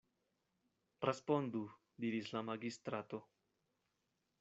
Respondu, diris la magistrato.